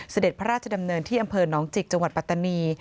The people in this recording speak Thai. เสด็จพระราชดำเนินที่อำเภอน้องจิกจปตตนี